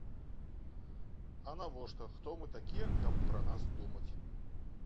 А навошта, хто мы такія, каб пра нас думаць?!